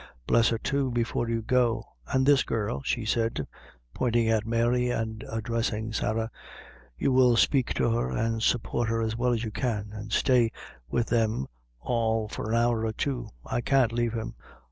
Bless her, too, before you go. An' this girl," she said, pointing at Mary, and addressing Sarah, "you will spake to her, an' support her as well as you can, and stay with them all for an hour or two. I can't lave him."